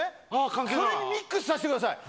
それにミックスさせてください。